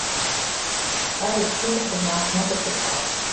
Dat is spitich genôch net it gefal.